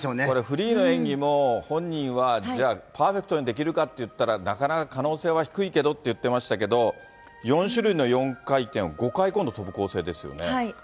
これ、フリーの演技も、本人はパーフェクトにできるかっていったら、なかなか可能性は低いけどって言ってましたけど、４種類の４回転を５回今度、跳ぶ構成ですよね。